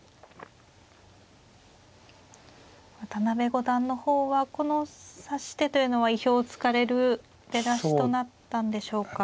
渡辺五段の方はこの指し手というのは意表をつかれる出だしとなったんでしょうか。